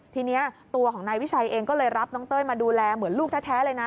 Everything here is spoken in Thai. ทีนี้ตัวของนายวิชัยเองก็เลยรับน้องเต้ยมาดูแลเหมือนลูกแท้เลยนะ